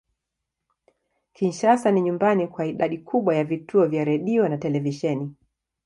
Kinshasa ni nyumbani kwa idadi kubwa ya vituo vya redio na televisheni.